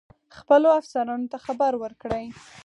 خپلو افسرانو ته خبر ورکړی.